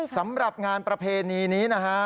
สำหรับงานประเพณีนี้นะฮะ